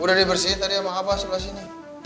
udah dibersihin tadi sama apa sebelah sini